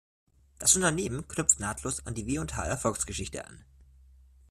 Das Unternehmen knüpft nahtlos an die W&H Erfolgsgeschichte an.